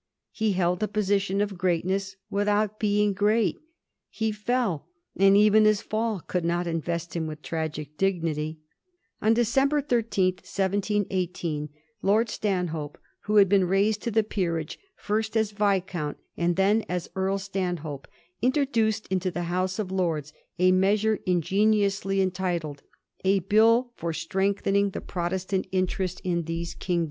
He held a position of greatness without Ix^ng great ; he fell, and even his fall could not in^ (*st him with tragic dignity. On December 13, 1718, Lord Stanhope, who had been raised to the peerage, first as Viscount and then as Earl Stanhope, introdtu ud into the House of Lords a measure ingeniously entitled ' A Bill for strengthening the Protestant TntL rest in these King Digiti zed by Google 1718.